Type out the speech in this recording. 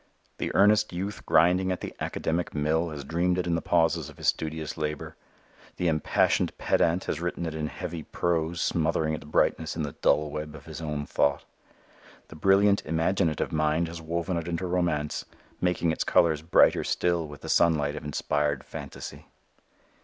The earnest youth grinding at the academic mill has dreamed it in the pauses of his studious labor. The impassioned pedant has written it in heavy prose smothering its brightness in the dull web of his own thought. The brilliant imaginative mind has woven it into romance, making its colors brighter still with the sunlight of inspired phantasy.